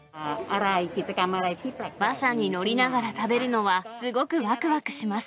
馬車に乗りながら食べるのは、すごくわくわくします。